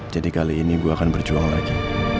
jadi kali ini gue akan berjuang lagi